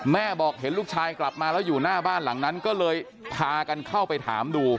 แม่บอกเห็นลูกชายกลับมาแล้วอยู่หน้าบ้านหลังนั้นก็เลยพากันเข้าไปถามดู